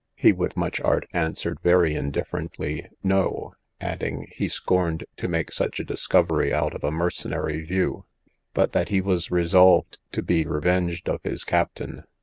He with much art answered very indifferently, no; adding, he scorned to make such a discovery out of a mercenary view, but that he was resolved to be revenged of his captain.